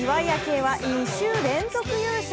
愛は２週連続優勝。